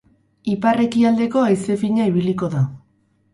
Ipar-ekialdeko haize fina ibiliko da.